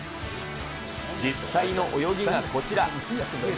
実際の泳ぎがこちら。